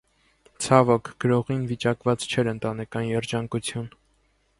Ցավոք, գրողին վիճակված չէր ընտանեկան երջանկություն։